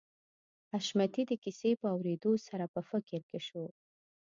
حشمتي د کيسې په اورېدو سره په فکر کې شو